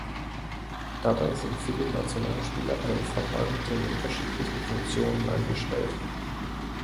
Dabei sind viele Nationalspieler beim Verband in unterschiedlichen Funktionen angestellt.